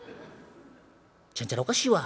『ちゃんちゃらおかしいわ』。